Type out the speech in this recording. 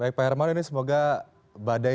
baik pak hermano ini semoga badai segera berhasil